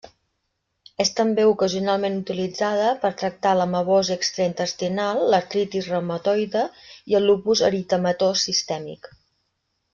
És també ocasionalment utilitzada per tractar l'amebosi extraintestinal, l'artritis reumatoide i el lupus eritematós sistèmic.